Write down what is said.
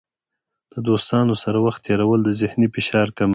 د دوستانو سره وخت تیرول د ذهني فشار کموي.